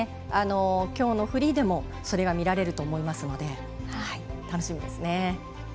きょうのフリーでもそれが見られると思いますので楽しみですね。